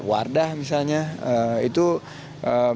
wardah misalnya itu harus bersama sama